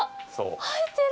生えてる。